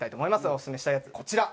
オススメしたいやつこちら。